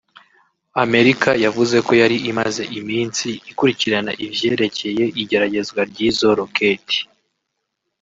Amerika yavuze ko yari imaze imisi ikurikirana ivyerekeye igeragezwa ry'izo roketi